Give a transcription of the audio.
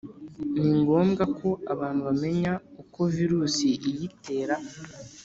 ni ngombwa ko abantu bamenya uko virusi iyitera